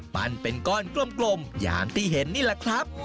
เป็นก้อนกลมอย่างที่เห็นนี่แหละครับ